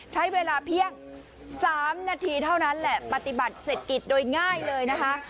ใช้เวลาเพียง๓นาทีเท่านั้นแหละปฏิบัติเศรษฐกิจโดยง่ายเลยนะคะ